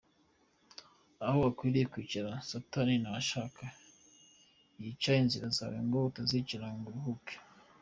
Aho ukwiriye kwicara, satani ntahashaka, yica inzira zawe ngo utazicara ngo uruhuke.